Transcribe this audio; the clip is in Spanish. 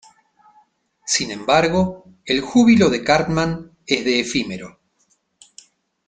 Sin embargo, el júbilo de Cartman es de efímero.